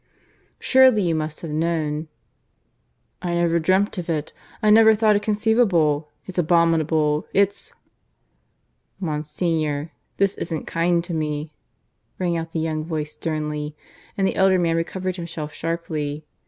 Surely you must have known " "I never dreamt of it. I never thought it conceivable. It's abominable; it's " "Monsignor, this isn't kind to me," rang out the young voice sternly; and the elder man recovered himself sharply.